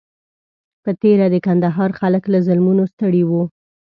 په تېره د کندهار خلک له ظلمونو ستړي وو.